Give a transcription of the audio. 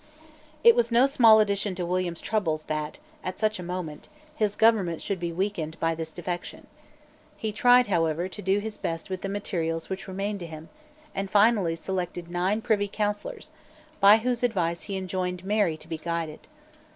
It was no small addition to William's troubles that, at such a moment, his government should be weakened by this defection. He tried, however, to do his best with the materials which remained to him, and finally selected nine privy councillors, by whose advice he enjoined Mary to be guided.